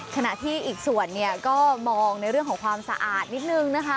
ขณะที่อีกส่วนเนี่ยก็มองในเรื่องของความสะอาดนิดนึงนะคะ